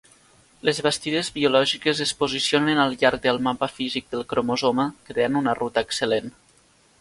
Les bastides biològiques es posicionen al llarg del mapa físic del cromosoma creant una "ruta excel·lent".